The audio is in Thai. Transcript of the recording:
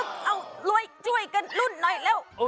อ้าวต้นเอ๊ะเอ้ารวยช่วยกันรุ่นหน่อยแล้ว